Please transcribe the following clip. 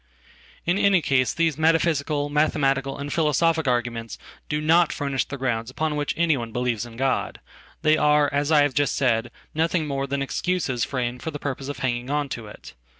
In any case these metaphysical, mathematical, and philosophic arguments do not furnish the groundsupon which anyone believes in God. They are, as I have just said, nothing more than excuses framed for the purpose of hanging on toit.